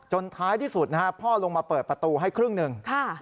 ท้ายที่สุดนะฮะพ่อลงมาเปิดประตูให้ครึ่งหนึ่ง